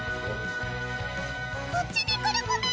こっちに来るコメ！